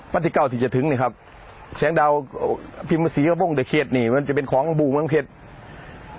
วันที่๙ที่จะถึงเนี่ยครับแสงดาวพิมพฤษีกระโปรงเดอร์เคสเนี่ยมันจะเป็นของบู่เมืองเพชร